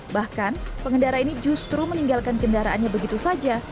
bahkan pengendara ini justru meninggalkan kendaraannya begitu saja